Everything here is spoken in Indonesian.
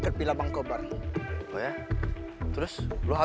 orang tua ya